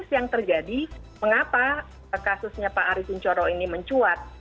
yang terjadi mengapa kasusnya pak ari kunchoro ini mencuat